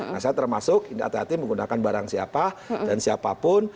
nah saya termasuk ini hati hati menggunakan barang siapa dan siapapun